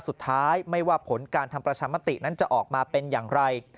สุดท้ายไม่ว่าผลการทำประชามตินั้นจะออกมาเป็นอย่างไร